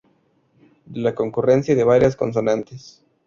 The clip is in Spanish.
De la concurrencia de varias consonantes.